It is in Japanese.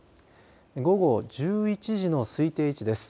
午後１１時の推定位置です。